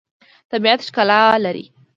طبیعت ښکلا لري.